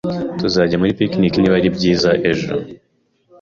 Tuzajya muri picnic niba ari byiza ejo.